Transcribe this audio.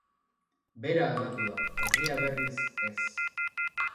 Bera aldatu da, herria, berriz, ez.